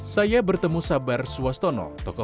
saya bertemu sabar swastono